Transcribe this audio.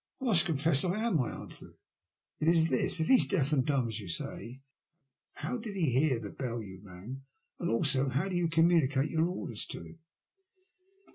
'' I mast confess I am/' I answered. It is this. If he is deaf and dumb, as you say, how did he hear the bell you rang, and also how do yon communicate your orders to him